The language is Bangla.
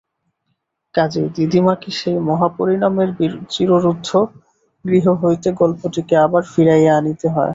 কাজেই দিদিমাকে সেই মহাপরিণামের চিররুদ্ধ গৃহ হইতে গল্পটিকে আবার ফিরাইয়া আনিতে হয়।